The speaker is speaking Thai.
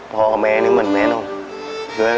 พ่อก็ไหมว่านี่เหมือนแม่หนุ่ม